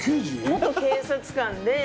元警察官で。